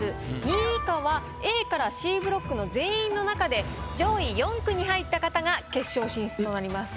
２位以下はＡからＣブロックの全員の中で上位４句に入った方が決勝進出となります。